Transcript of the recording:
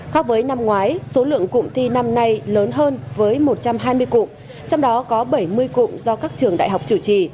khác với năm ngoái số lượng cụm thi năm nay lớn hơn với một trăm hai mươi cụm trong đó có bảy mươi cụm do các trường đại học chủ trì